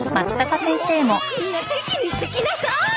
もうみんな席に着きなさーい！